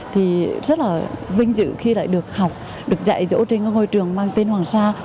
thì rất là vinh dự khi lại được học được dạy chỗ trên cái ngôi trường mang tên hoàng sa